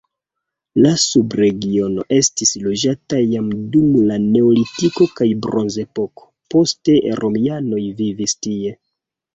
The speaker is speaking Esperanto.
La subregiono estis loĝata jam dum la neolitiko kaj bronzepoko, poste romianoj vivis tie.